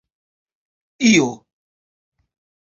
io